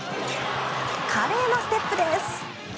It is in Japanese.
華麗なステップです。